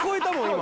今。